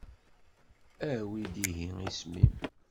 Awi-d ihi isem-im.